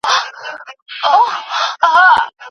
غاړه کېږدئ.